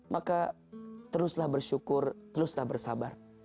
maka teruslah bersyukur teruslah bersabar